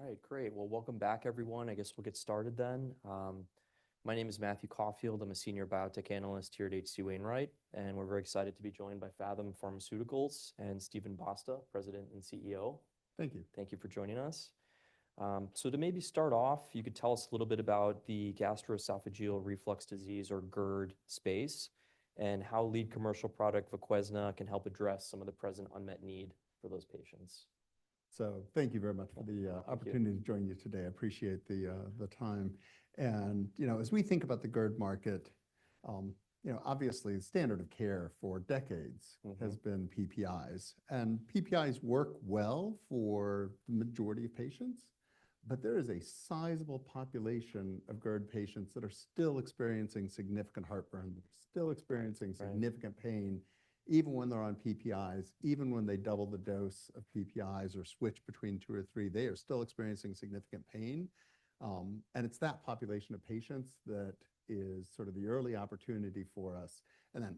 All right, great. Welcome back, everyone. I guess we'll get started then. My name is Matthew Caulfield. I'm a senior biotech analyst here at H.C. Wainwright, and we're very excited to be joined by Phathom Pharmaceuticals and Steven Basta, President and CEO. Thank you. Thank you for joining us. To maybe start off, you could tell us a little bit about the gastroesophageal reflux disease, or GERD, space and how lead commercial product VOQUEZNA can help address some of the present unmet need for those patients. Thank you very much for the opportunity to join you today. I appreciate the time. You know, as we think about the GERD market, obviously the standard of care for decades has been PPIs, and PPIs work well for the majority of patients. There is a sizable population of GERD patients that are still experiencing significant heartburn, still experiencing significant pain, even when they're on PPIs, even when they double the dose of PPIs or switch between two or three, they are still experiencing significant pain. It is that population of patients that is sort of the early opportunity for us.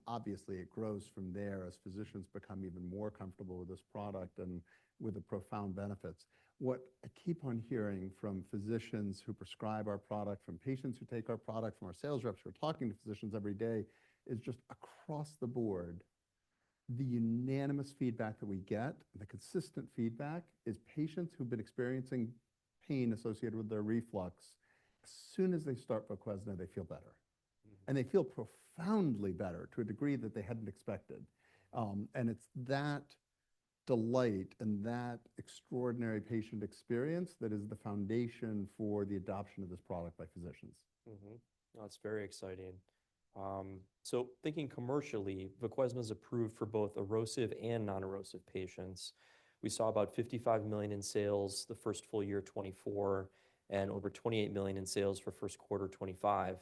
Obviously it grows from there as physicians become even more comfortable with this product and with the profound benefits. What I keep on hearing from physicians who prescribe our product, from patients who take our product, from our sales reps who are talking to physicians every day, is just across the board, the unanimous feedback that we get, the consistent feedback is patients who've been experiencing pain associated with their reflux, as soon as they start VOQUEZNA, they feel better, and they feel profoundly better to a degree that they hadn't expected. It is that delight and that extraordinary patient experience that is the foundation for the adoption of this product by physicians. That's very exciting. Thinking commercially, VOQUEZNA is approved for both erosive and non-erosive patients. We saw about $55 million in sales the first full year, 2024, and over $28 million in sales for first quarter, 2025.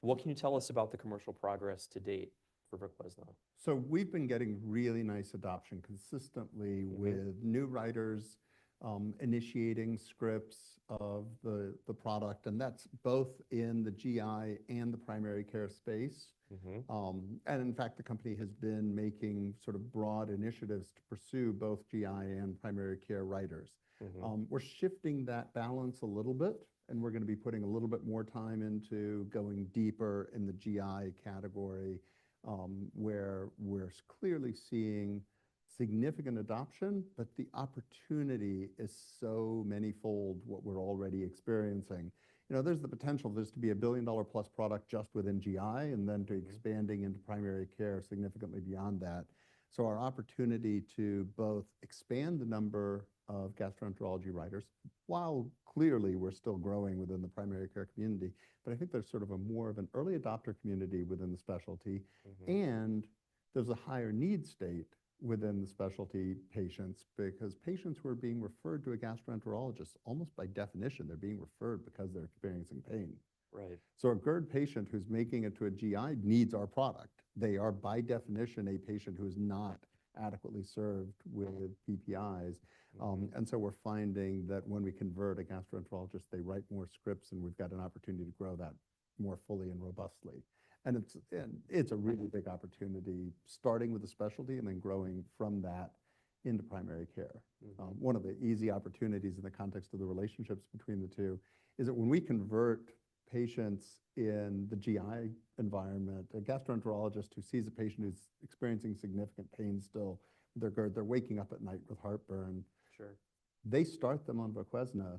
What can you tell us about the commercial progress to date for VOQUEZNA? We've been getting really nice adoption consistently with new writers initiating scripts of the product, and that's both in the GI and the primary care space. In fact, the company has been making sort of broad initiatives to pursue both GI and primary care writers. We're shifting that balance a little bit, and we're going to be putting a little bit more time into going deeper in the GI category, where we're clearly seeing significant adoption, but the opportunity is so many-fold what we're already experiencing. You know, there's the potential for this to be a billion-dollar-plus product just within GI and then to be expanding into primary care significantly beyond that. Our opportunity to both expand the number of gastroenterology writers, while clearly we're still growing within the primary care community, but I think there's sort of more of an early adopter community within the specialty, and there's a higher need state within the specialty patients because patients who are being referred to a gastroenterologist, almost by definition, they're being referred because they're experiencing pain. Right. A GERD patient who's making it to a GI needs our product. They are, by definition, a patient who is not adequately served with PPIs. We're finding that when we convert a gastroenterologist, they write more scripts, and we've got an opportunity to grow that more fully and robustly. It's a really big opportunity, starting with the specialty and then growing from that into primary care. One of the easy opportunities in the context of the relationships between the two is that when we convert patients in the GI environment, a gastroenterologist who sees a patient who's experiencing significant pain still, their GERD, they're waking up at night with heartburn. Sure. They start them on VOQUEZNA.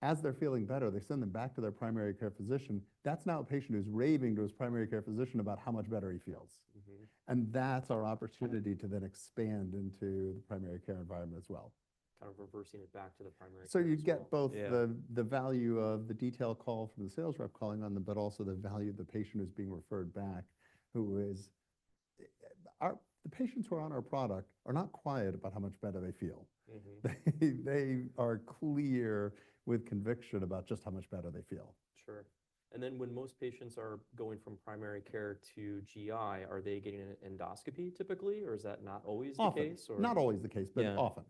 As they're feeling better, they send them back to their primary care physician. That's now a patient who's raving to his primary care physician about how much better he feels. That's our opportunity to then expand into the primary care environment as well. Kind of reversing it back to the primary care. You get both the value of the detail call from the sales rep calling on them, but also the value of the patient who's being referred back, who is the patients who are on our product are not quiet about how much better they feel. They are clear with conviction about just how much better they feel. Sure. And then when most patients are going from primary care to GI, are they getting an endoscopy typically, or is that not always the case? Not always the case, but often.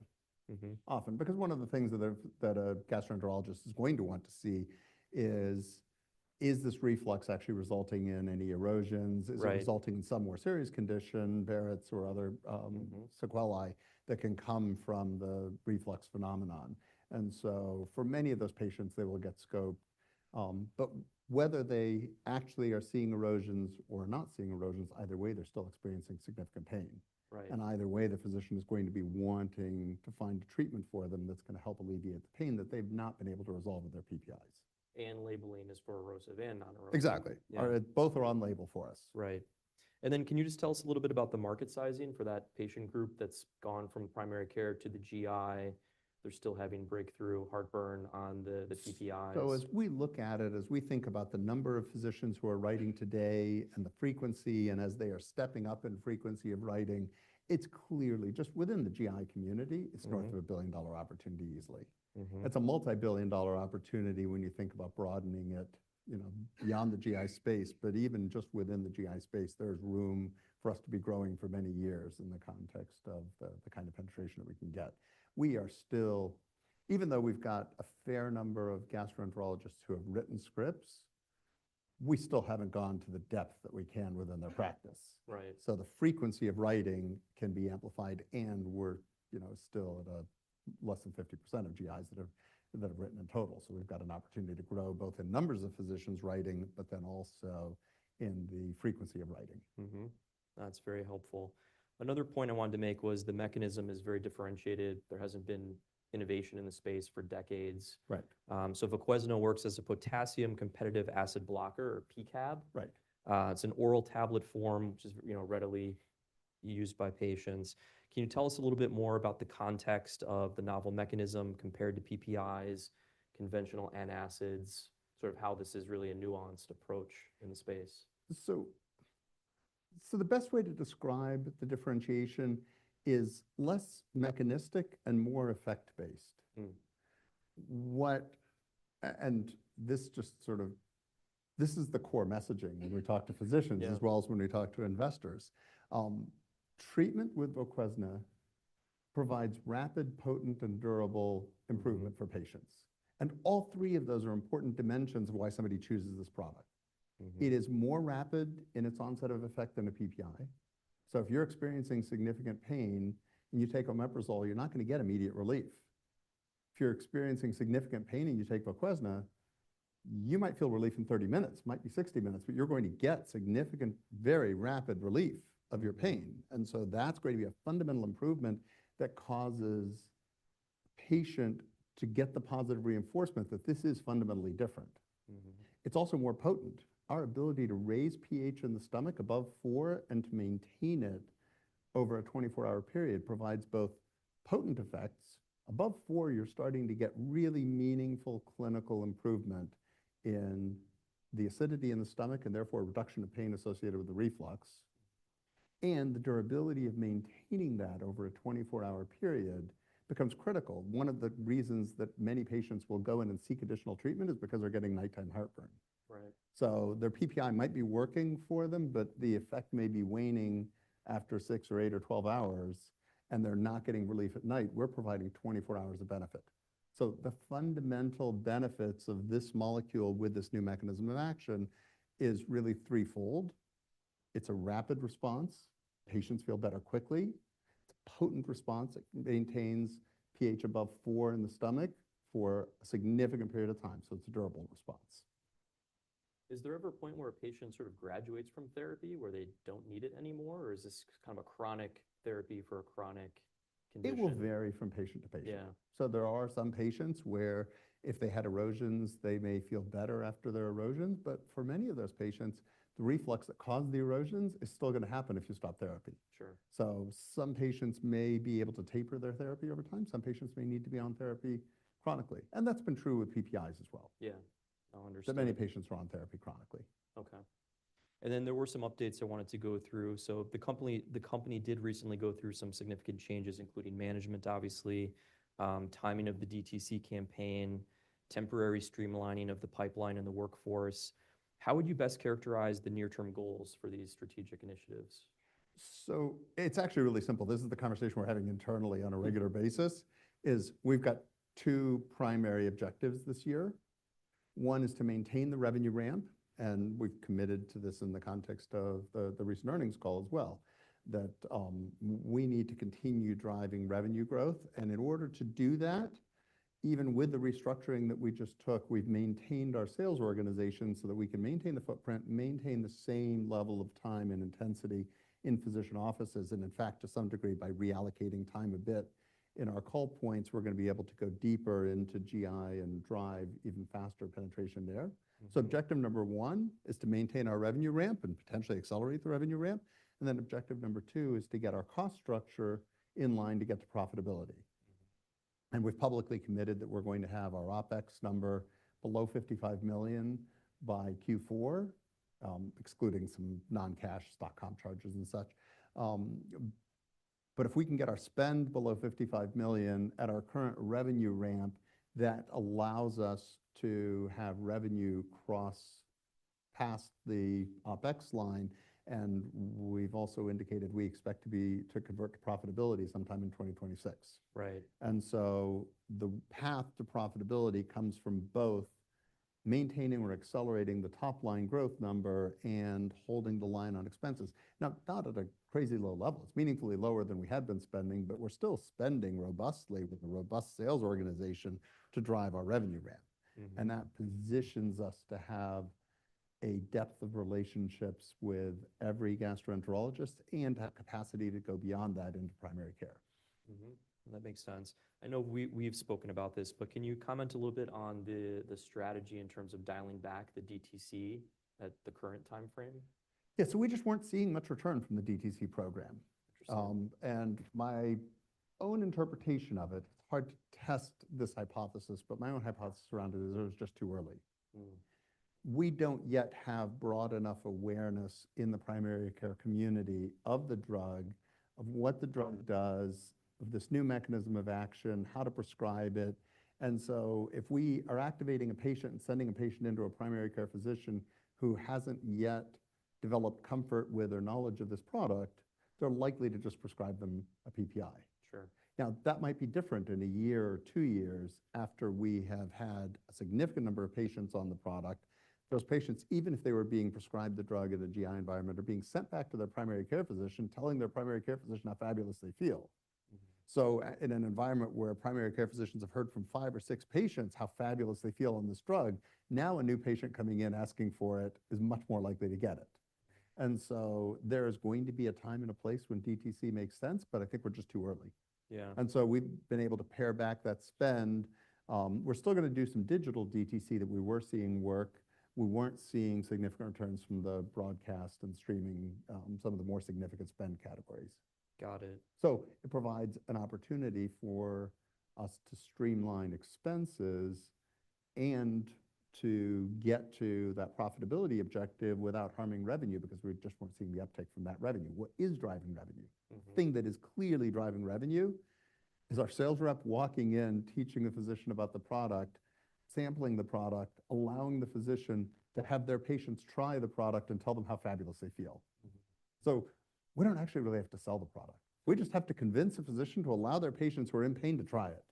Often, because one of the things that a gastroenterologist is going to want to see is, is this reflux actually resulting in any erosions? Is it resulting in some more serious condition, Barrett's or other sequelae that can come from the reflux phenomenon? For many of those patients, they will get scoped. Whether they actually are seeing erosions or not seeing erosions, either way, they're still experiencing significant pain. Either way, the physician is going to be wanting to find a treatment for them that's going to help alleviate the pain that they've not been able to resolve with their PPIs. Labeling is for erosive and non-erosive. Exactly. Both are on label for us. Right. Can you just tell us a little bit about the market sizing for that patient group that's gone from primary care to the GI? They're still having breakthrough heartburn on the PPIs. As we look at it, as we think about the number of physicians who are writing today and the frequency, and as they are stepping up in frequency of writing, it's clearly just within the GI community, it's north of a billion-dollar opportunity easily. It's a multi-billion-dollar opportunity when you think about broadening it, you know, beyond the GI space, but even just within the GI space, there's room for us to be growing for many years in the context of the kind of penetration that we can get. We are still, even though we've got a fair number of gastroenterologists who have written scripts, we still haven't gone to the depth that we can within their practice. Right. The frequency of writing can be amplified, and we're, you know, still at less than 50% of GIs that have written in total. We've got an opportunity to grow both in numbers of physicians writing, but then also in the frequency of writing. That's very helpful. Another point I wanted to make was the mechanism is very differentiated. There hasn't been innovation in the space for decades. Right. VOQUEZNA works as a potassium-competitive acid blocker, or PCAB. Right. It's an oral tablet form, which is, you know, readily used by patients. Can you tell us a little bit more about the context of the novel mechanism compared to PPIs, conventional antacids, sort of how this is really a nuanced approach in the space? The best way to describe the differentiation is less mechanistic and more effect-based. What, and this just sort of, this is the core messaging when we talk to physicians as well as when we talk to investors. Treatment with VOQUEZNA provides rapid, potent, and durable improvement for patients. All three of those are important dimensions of why somebody chooses this product. It is more rapid in its onset of effect than a PPI. If you're experiencing significant pain and you take omeprazole, you're not going to get immediate relief. If you're experiencing significant pain and you take VOQUEZNA, you might feel relief in 30 minutes, might be 60 minutes, but you're going to get significant, very rapid relief of your pain. That is going to be a fundamental improvement that causes the patient to get the positive reinforcement that this is fundamentally different. It's also more potent. Our ability to raise pH in the stomach above four and to maintain it over a 24-hour period provides both potent effects. Above four, you're starting to get really meaningful clinical improvement in the acidity in the stomach and therefore reduction of pain associated with the reflux. The durability of maintaining that over a 24-hour period becomes critical. One of the reasons that many patients will go in and seek additional treatment is because they're getting nighttime heartburn. Right. Their PPI might be working for them, but the effect may be waning after six or eight or 12 hours, and they're not getting relief at night. We're providing 24 hours of benefit. The fundamental benefits of this molecule with this new mechanism of action is really threefold. It's a rapid response. Patients feel better quickly. It's a potent response. It maintains pH above four in the stomach for a significant period of time. It's a durable response. Is there ever a point where a patient sort of graduates from therapy where they don't need it anymore, or is this kind of a chronic therapy for a chronic condition? It will vary from patient to patient. Yeah. There are some patients where if they had erosions, they may feel better after their erosions. For many of those patients, the reflux that caused the erosions is still going to happen if you stop therapy. Sure. Some patients may be able to taper their therapy over time. Some patients may need to be on therapy chronically. That's been true with PPIs as well. Yeah. I understand. Many patients are on therapy chronically. Okay. There were some updates I wanted to go through. The company did recently go through some significant changes, including management, obviously, timing of the DTC campaign, temporary streamlining of the pipeline and the workforce. How would you best characterize the near-term goals for these strategic initiatives? It's actually really simple. This is the conversation we're having internally on a regular basis. We've got two primary objectives this year. One is to maintain the revenue ramp, and we've committed to this in the context of the recent earnings call as well, that we need to continue driving revenue growth. In order to do that, even with the restructuring that we just took, we've maintained our sales organization so that we can maintain the footprint, maintain the same level of time and intensity in physician offices. In fact, to some degree, by reallocating time a bit in our call points, we're going to be able to go deeper into GI and drive even faster penetration there. Objective number one is to maintain our revenue ramp and potentially accelerate the revenue ramp. Then objective number two is to get our cost structure in line to get to profitability. We have publicly committed that we are going to have our OpEx number below $55 million by Q4, excluding some non-cash stock comp charges and such. If we can get our spend below $55 million at our current revenue ramp, that allows us to have revenue cross past the OpEx line. We have also indicated we expect to convert to profitability sometime in 2026. Right. The path to profitability comes from both maintaining or accelerating the top line growth number and holding the line on expenses. Now, not at a crazy low level. It's meaningfully lower than we had been spending, but we're still spending robustly with a robust sales organization to drive our revenue ramp. And that positions us to have a depth of relationships with every gastroenterologist and have capacity to go beyond that into primary care. That makes sense. I know we've spoken about this, but can you comment a little bit on the strategy in terms of dialing back the DTC at the current time frame? Yeah. So we just weren't seeing much return from the DTC program. Interesting. My own interpretation of it, it's hard to test this hypothesis, but my own hypothesis around it is it was just too early. We don't yet have broad enough awareness in the primary care community of the drug, of what the drug does, of this new mechanism of action, how to prescribe it. If we are activating a patient and sending a patient into a primary care physician who hasn't yet developed comfort with or knowledge of this product, they're likely to just prescribe them a PPI. Sure. Now, that might be different in a year or two years after we have had a significant number of patients on the product. Those patients, even if they were being prescribed the drug in the GI environment, are being sent back to their primary care physician, telling their primary care physician how fabulous they feel. In an environment where primary care physicians have heard from five or six patients how fabulous they feel on this drug, now a new patient coming in asking for it is much more likely to get it. There is going to be a time and a place when DTC makes sense, but I think we're just too early. Yeah. We have been able to pare back that spend. We're still going to do some digital DTC that we were seeing work. We weren't seeing significant returns from the broadcast and streaming, some of the more significant spend categories. Got it. It provides an opportunity for us to streamline expenses and to get to that profitability objective without harming revenue because we just were not seeing the uptake from that revenue. What is driving revenue? The thing that is clearly driving revenue is our sales rep walking in, teaching the physician about the product, sampling the product, allowing the physician to have their patients try the product and tell them how fabulous they feel. We do not actually really have to sell the product. We just have to convince a physician to allow their patients who are in pain to try it.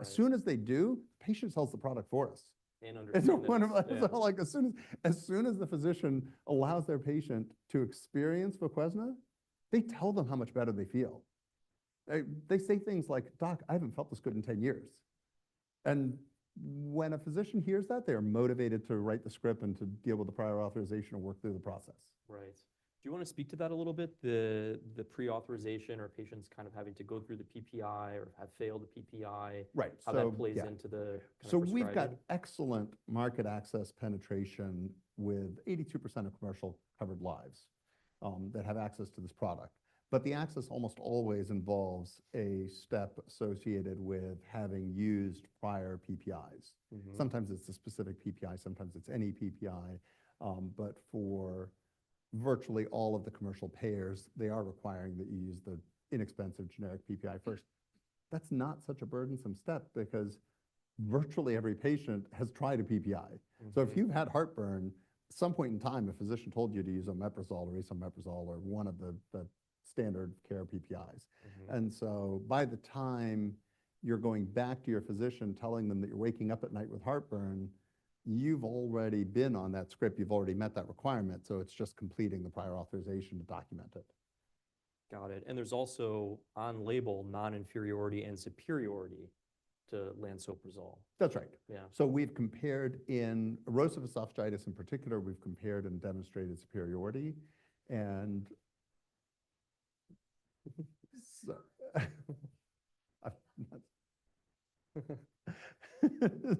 As soon as they do, the patient sells the product for us. And understand. It's like as soon as the physician allows their patient to experience VOQUEZNA, they tell them how much better they feel. They say things like, "Doc, I haven't felt this good in 10 years." When a physician hears that, they are motivated to write the script and to deal with the prior authorization and work through the process. Right. Do you want to speak to that a little bit? The pre-authorization or patients kind of having to go through the PPI or have failed the PPI. Right. How that plays into the prescribing. We've got excellent market access penetration with 82% of commercial covered lives that have access to this product. The access almost always involves a step associated with having used prior PPIs. Sometimes it's a specific PPI, sometimes it's any PPI. For virtually all of the commercial payers, they are requiring that you use the inexpensive generic PPI first. That's not such a burdensome step because virtually every patient has tried a PPI. If you've had heartburn, at some point in time, a physician told you to use omeprazole or esomeprazole or one of the standard care PPIs. By the time you're going back to your physician telling them that you're waking up at night with heartburn, you've already been on that script. You've already met that requirement. It's just completing the prior authorization to document it. Got it. There's also on label, non-inferiority and superiority to lansoprazole. That's right. Yeah. We've compared in erosive esophagitis in particular, we've compared and demonstrated superiority. And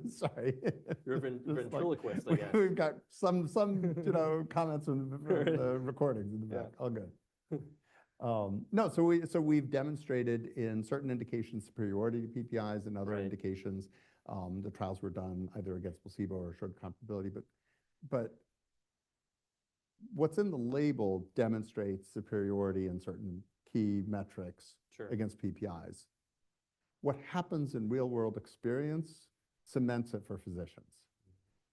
sorry. You're a ventriloquist, I guess. We've got some, you know, comments from the recordings in the back. All good. No, so we've demonstrated in certain indications superiority to PPIs and other indications. The trials were done either against placebo or short comparability. What is in the label demonstrates superiority in certain key metrics against PPIs. What happens in real-world experience cements it for physicians.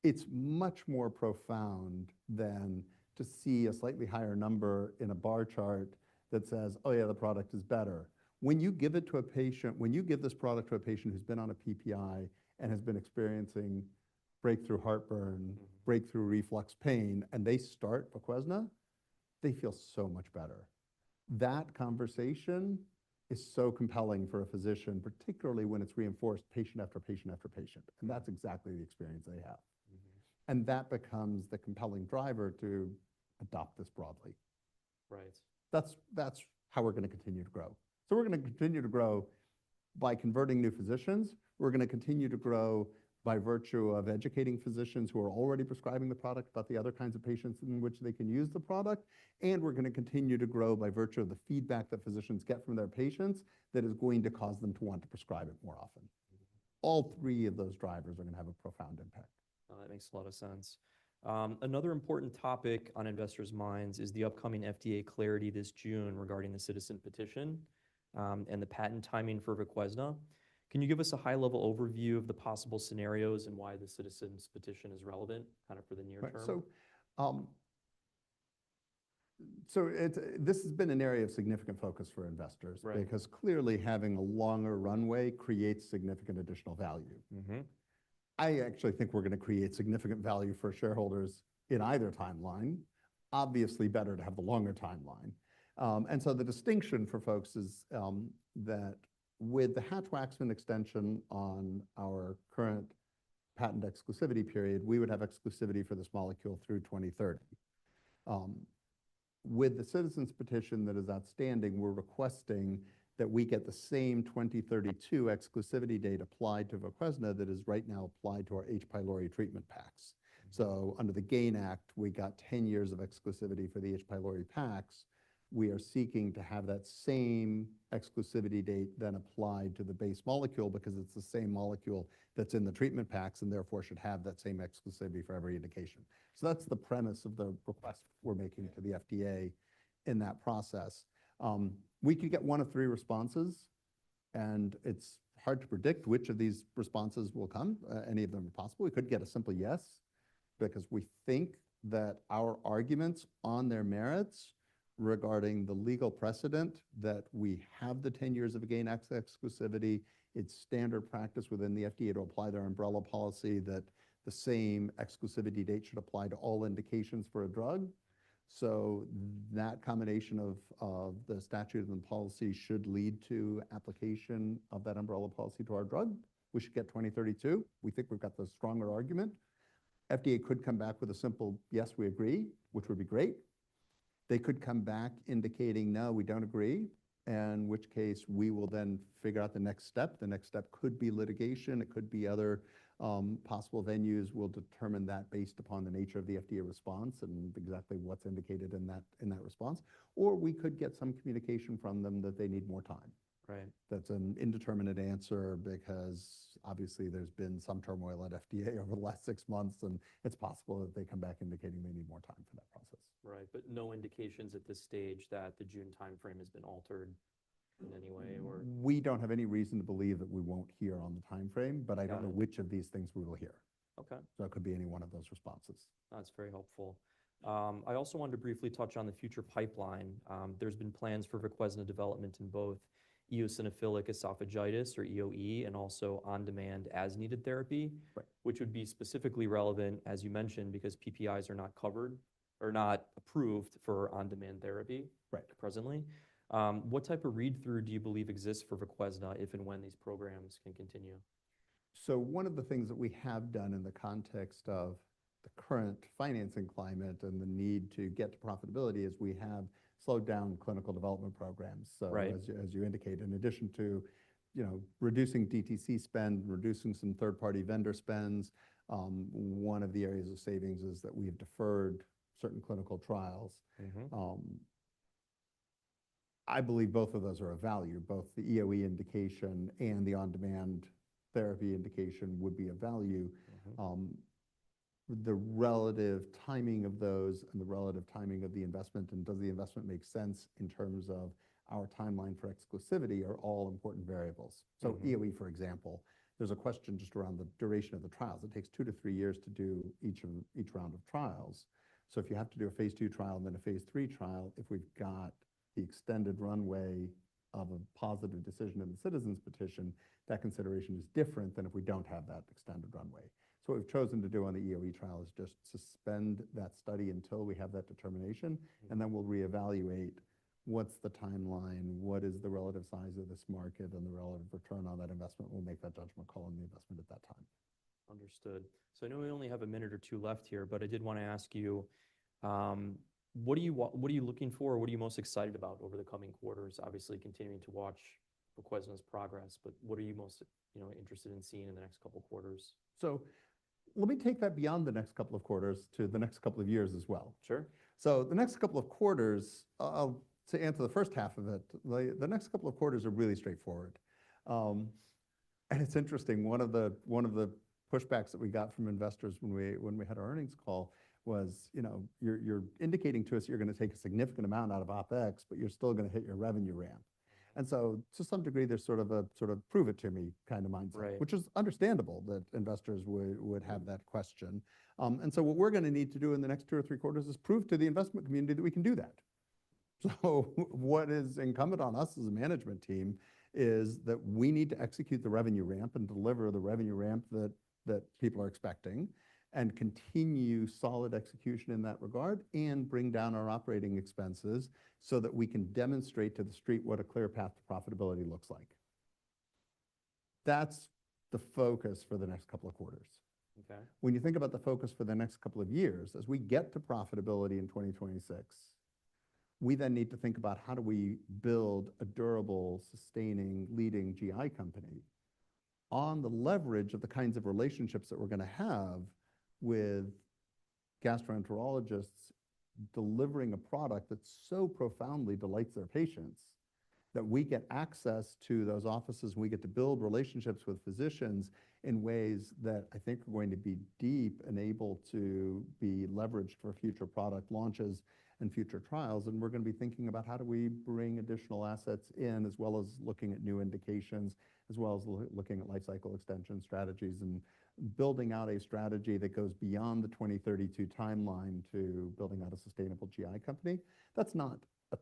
It is much more profound than to see a slightly higher number in a bar chart that says, "Oh yeah, the product is better." When you give it to a patient, when you give this product to a patient who has been on a PPI and has been experiencing breakthrough heartburn, breakthrough reflux pain, and they start VOQUEZNA, they feel so much better. That conversation is so compelling for a physician, particularly when it is reinforced patient after patient after patient. That is exactly the experience they have. That becomes the compelling driver to adopt this broadly. Right. That's how we're going to continue to grow. We're going to continue to grow by converting new physicians. We're going to continue to grow by virtue of educating physicians who are already prescribing the product about the other kinds of patients in which they can use the product. We're going to continue to grow by virtue of the feedback that physicians get from their patients that is going to cause them to want to prescribe it more often. All three of those drivers are going to have a profound impact. That makes a lot of sense. Another important topic on investors' minds is the upcoming FDA clarity this June regarding the citizen petition and the patent timing for VOQUEZNA. Can you give us a high-level overview of the possible scenarios and why the citizen's petition is relevant kind of for the near term? Right. This has been an area of significant focus for investors because clearly having a longer runway creates significant additional value. I actually think we're going to create significant value for shareholders in either timeline. Obviously, better to have the longer timeline. The distinction for folks is that with the Hatch-Waxman extension on our current patent exclusivity period, we would have exclusivity for this molecule through 2030. With the citizen's petition that is outstanding, we're requesting that we get the same 2032 exclusivity date applied to VOQUEZNA that is right now applied to our H. pylori treatment packs. Under the GAIN Act, we got 10 years of exclusivity for the H. pylori packs. We are seeking to have that same exclusivity date then applied to the base molecule because it's the same molecule that's in the treatment packs and therefore should have that same exclusivity for every indication. That's the premise of the request we're making to the FDA in that process. We could get one of three responses, and it's hard to predict which of these responses will come, any of them possible. We could get a simple yes because we think that our arguments on their merits regarding the legal precedent that we have the 10 years of a GAIN Act exclusivity, it's standard practice within the FDA to apply their umbrella policy that the same exclusivity date should apply to all indications for a drug. That combination of the statute and policy should lead to application of that umbrella policy to our drug. We should get 2032. We think we've got the stronger argument. FDA could come back with a simple yes, we agree, which would be great. They could come back indicating, no, we don't agree, in which case we will then figure out the next step. The next step could be litigation. It could be other possible venues. We'll determine that based upon the nature of the FDA response and exactly what's indicated in that response. We could get some communication from them that they need more time. Right. That's an indeterminate answer because obviously there's been some turmoil at FDA over the last six months, and it's possible that they come back indicating they need more time for that process. Right. But no indications at this stage that the June time frame has been altered in any way or? We don't have any reason to believe that we won't hear on the time frame, but I don't know which of these things we will hear. Okay. It could be any one of those responses. That's very helpful. I also want to briefly touch on the future pipeline. There's been plans for VOQUEZNA development in both eosinophilic esophagitis or EoE and also on-demand as-needed therapy, which would be specifically relevant, as you mentioned, because PPIs are not covered or not approved for on-demand therapy presently. What type of read-through do you believe exists for VOQUEZNA if and when these programs can continue? One of the things that we have done in the context of the current financing climate and the need to get to profitability is we have slowed down clinical development programs. As you indicate, in addition to reducing DTC spend, reducing some third-party vendor spends, one of the areas of savings is that we have deferred certain clinical trials. I believe both of those are of value. Both the EoE indication and the on-demand therapy indication would be of value. The relative timing of those and the relative timing of the investment and does the investment make sense in terms of our timeline for exclusivity are all important variables. EoE, for example, there's a question just around the duration of the trials. It takes two to three years to do each round of trials. If you have to do a phase II trial and then a phase III trial, if we've got the extended runway of a positive decision in the citizen's petition, that consideration is different than if we don't have that extended runway. What we've chosen to do on the EoE trial is just suspend that study until we have that determination, and then we'll reevaluate what's the timeline, what is the relative size of this market, and the relative return on that investment. We'll make that judgment call on the investment at that time. Understood. So I know we only have a minute or two left here, but I did want to ask you, what are you looking for? What are you most excited about over the coming quarters? Obviously, continuing to watch VOQUEZNA's progress, but what are you most interested in seeing in the next couple of quarters? Let me take that beyond the next couple of quarters to the next couple of years as well. Sure. The next couple of quarters, to answer the first half of it, the next couple of quarters are really straightforward. It's interesting. One of the pushbacks that we got from investors when we had our earnings call was, you know, you're indicating to us you're going to take a significant amount out of OpEx, but you're still going to hit your revenue ramp. To some degree, there's sort of a sort of prove it to me kind of mindset, which is understandable that investors would have that question. What we're going to need to do in the next two or three quarters is prove to the investment community that we can do that. What is incumbent on us as a management team is that we need to execute the revenue ramp and deliver the revenue ramp that people are expecting and continue solid execution in that regard and bring down our operating expenses so that we can demonstrate to the street what a clear path to profitability looks like. That's the focus for the next couple of quarters. Okay. When you think about the focus for the next couple of years, as we get to profitability in 2026, we then need to think about how do we build a durable, sustaining, leading GI company on the leverage of the kinds of relationships that we're going to have with gastroenterologists delivering a product that so profoundly delights their patients that we get access to those offices and we get to build relationships with physicians in ways that I think are going to be deep and able to be leveraged for future product launches and future trials. We are going to be thinking about how do we bring additional assets in as well as looking at new indications, as well as looking at life cycle extension strategies and building out a strategy that goes beyond the 2032 timeline to building out a sustainable GI company. That's not a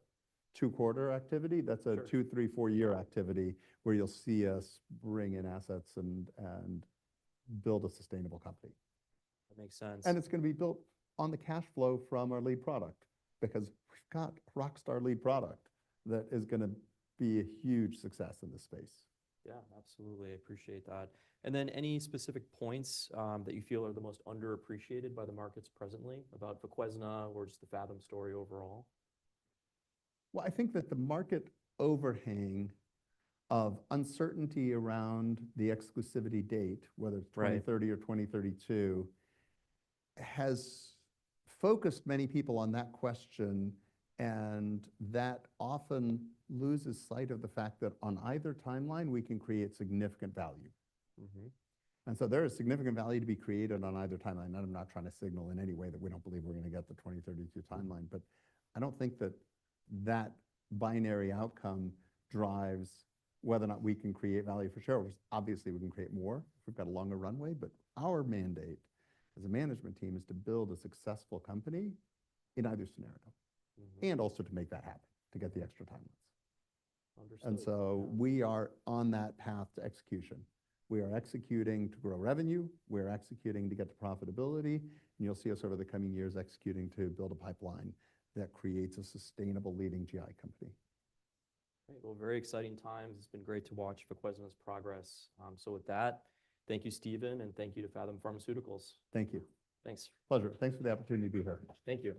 two-quarter activity. That's a two, three, four-year activity where you'll see us bring in assets and build a sustainable company. That makes sense. It's going to be built on the cash flow from our lead product because we've got rockstar lead product that is going to be a huge success in this space. Yeah, absolutely. I appreciate that. And then any specific points that you feel are the most underappreciated by the markets presently about VOQUEZNA or just the Phathom story overall? I think that the market overhang of uncertainty around the exclusivity date, whether it's 2030 or 2032, has focused many people on that question, and that often loses sight of the fact that on either timeline, we can create significant value. There is significant value to be created on either timeline. I'm not trying to signal in any way that we don't believe we're going to get the 2032 timeline, but I don't think that that binary outcome drives whether or not we can create value for shareholders. Obviously, we can create more if we've got a longer runway, but our mandate as a management team is to build a successful company in either scenario and also to make that happen to get the extra timelines. Understood. We are on that path to execution. We are executing to grow revenue. We are executing to get to profitability. You'll see us over the coming years executing to build a pipeline that creates a sustainable leading GI company. Great. Very exciting times. It's been great to watch VOQUEZNA's progress. With that, thank you, Steven, and thank you to Phathom Pharmaceuticals. Thank you. Thanks. Pleasure. Thanks for the opportunity to be here. Thank you.